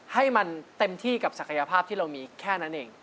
ให้มันเต็มที่กับศักยภาพที่เรามีแค่นั้นเอง